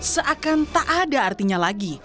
seakan tak ada artinya lagi